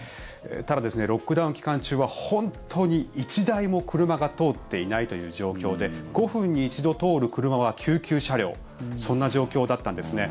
ただ、ロックダウン期間中は本当に１台も車が通っていないという状況で５分に一度通る車は救急車両そんな状況だったんですね。